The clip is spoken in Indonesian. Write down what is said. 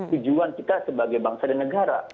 tujuan kita sebagai bangsa dan negara